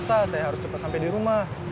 saya harus cepat sampai di rumah